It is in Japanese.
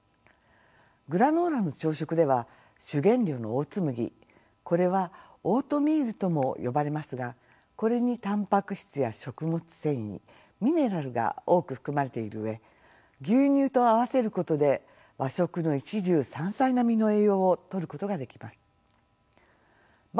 グラノーラの朝食では主原料のオーツ麦これはオートミールとも呼ばれますがこれにたんぱく質や食物繊維ミネラルが多く含まれている上牛乳と合わせることで和食の一汁三菜並みの栄養をとることができます。